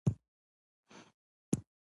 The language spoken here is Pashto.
زړه د ښکلا هنداره ده.